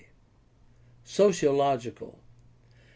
Sociological.